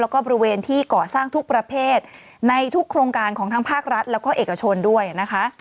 แล้วก็บริเวณที่ก่อสร้างทุกประเภทในทุกโครงการของทั้งภาครัฐแล้วก็เอกชนด้วยนะคะ